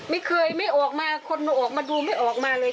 ไม่เคยไม่ออกมาคนมาออกมาดูไม่ออกมาเลย